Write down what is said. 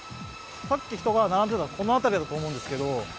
さっき人が並んでたのこの辺りだと思うんですけど。